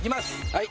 はい。